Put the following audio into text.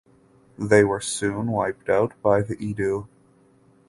They were soon wiped out by the Idu.